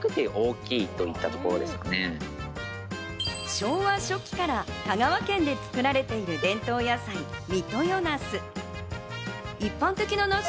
昭和初期から香川県で作られている伝統野菜・三豊なす。